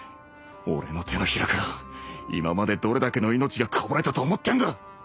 俺の手のひらから今までどれだけの命がこぼれたと思ってんだ！